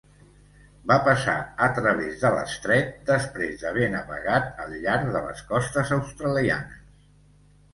Va passar a través de l'estret després d'haver navegat al llarg de les costes australianes.